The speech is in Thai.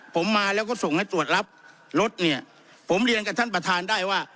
ผมมาแล้วก็ส่งให้ตรวจรับรถเนี่ยผมเรียนกับท่านประธานได้ว่า